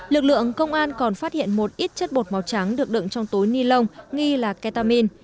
lực lượng công an còn phát hiện một ít chất bột màu trắng được đựng trong túi ni lông nghi là ketamin